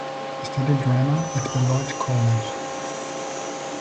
He studied drama at Beloit College.